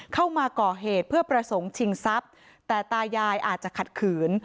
เข้ามาก่อเหตุเพื่อประสงค์ชิงทรัพย์แต่ตายายอาจจะขัดขืน